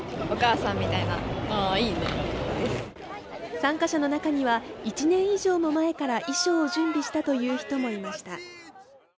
参加者の中には１年以上も前から衣装を準備したという人もいました。